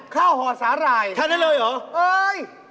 ข้าวหอระสาลัยนะห่านั้นเลยเหรอเอวอย